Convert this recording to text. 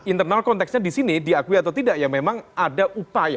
internal konteksnya di sini diakui atau tidak ya memang ada upaya